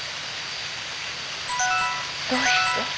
どうして？